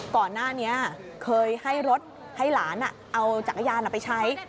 ก่อนหน้านี้เคยให้รถให้หลานเอาจักรยานไปใช้